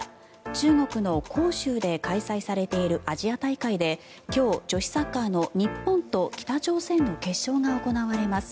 中国の杭州で開催されているアジア大会で今日、女子サッカーの日本と北朝鮮の決勝が行われます。